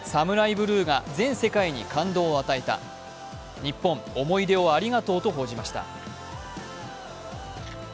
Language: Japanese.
ブルーが全世界に感動を与えた、日本、思い出をありがとうと報じました。